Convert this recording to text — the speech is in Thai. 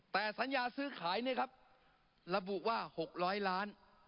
แต่สัญญาซื้อขายเนี่ยครับระบุว่า๖๐๐ล้าน